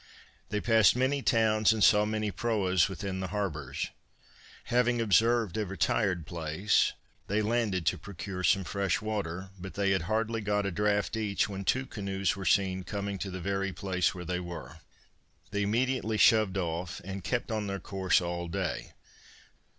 They passed many towns and saw many proas within the harbors. Having observed a retired place, they landed to procure some fresh water, but they had hardly got a draught each, when two canoes were seen coming to the very place where they were. They immediately shoved off and kept on their course all day.